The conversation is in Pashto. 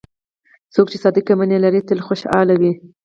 څوک چې صادق مینه لري، تل خوشحال وي.